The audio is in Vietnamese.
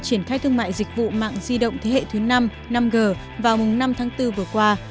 triển khai thương mại dịch vụ mạng di động thế hệ thứ năm năm g vào mùng năm tháng bốn vừa qua